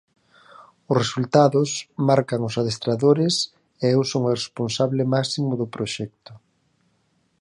Os resultados marcan aos adestradores e eu son o responsable máximo do proxecto.